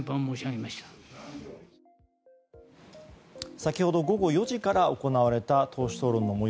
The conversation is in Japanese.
先ほど午後４時から行われた党首討論の模様